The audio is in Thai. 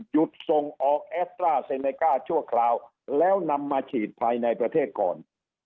ส่งออกแอสตราเซเนก้าชั่วคราวแล้วนำมาฉีดภายในประเทศก่อน